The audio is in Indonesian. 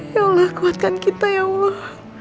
ya allah kuatkan kita ya allah